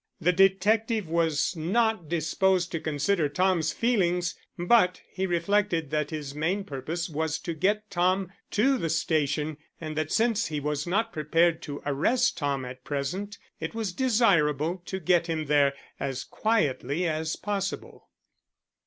The detective was not disposed to consider Tom's feelings, but he reflected that his main purpose was to get Tom to the station, and that since he was not prepared to arrest Tom at present it was desirable to get him there as quietly as possible.